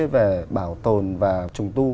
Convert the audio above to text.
về bảo tồn và trùng tu